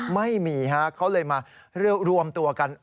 ไม่มีฮะเขาเลยมารวมตัวกัน